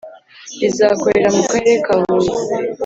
rizakorera mu karere ka huye